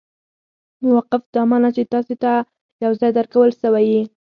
موقف دا مانا، چي تاسي ته یو ځای درکول سوی يي.